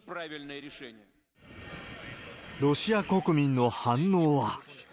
ロシア国民の反応は。